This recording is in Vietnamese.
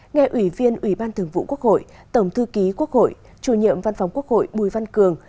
nghe ủy viên ủy ban thường vụ quốc hội tổng thư ký quốc hội chủ nhiệm văn phòng quốc hội bùi văn cường